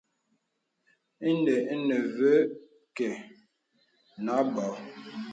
Inde enə və kə̀ nə bô.